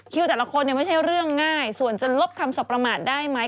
แต่ละคนไม่ใช่เรื่องง่ายส่วนจะลบคำสบประมาทได้ไหม